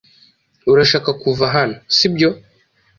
Urashaka kuva hano, sibyo?